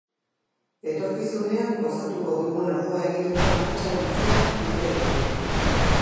Etorkizunean gozatuko dugun ardoa egiteko mahatsa biltzea dute helburu.